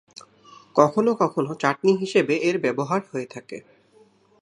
কখনো কখনো চাটনি হিসেবে এর ব্যবহার হয়ে থাকে।